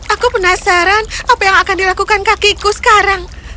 aku penasaran apa yang akan dilakukan kakiku sekarang